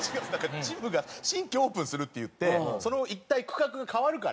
ジムが新規オープンするっていってその一帯区画が変わるから。